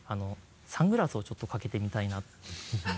サングラスをちょっとかけてみたいな。